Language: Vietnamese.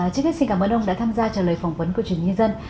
chính xác xin cảm ơn ông đã tham gia trả lời phỏng vấn của truyền nhân dân